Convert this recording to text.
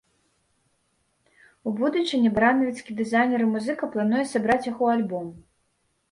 У будучыні баранавіцкі дызайнер і музыка плануе сабраць іх у альбом.